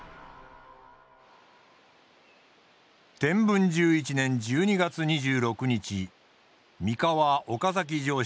天文１１年１２月２６日三河岡崎城主